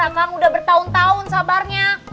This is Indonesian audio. kang udah bertahun tahun sabarnya